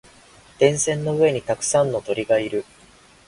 電線の上にたくさんの鳥がいる。